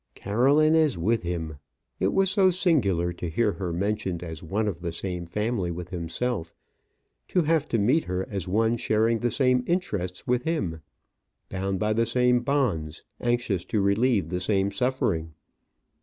Caroline is with him! It was so singular to hear her mentioned as one of the same family with himself; to have to meet her as one sharing the same interests with him, bound by the same bonds, anxious to relieve the same suffering.